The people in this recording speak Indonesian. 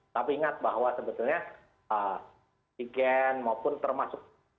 tapi ingat bahwa sebetulnya tigen maupun termasuk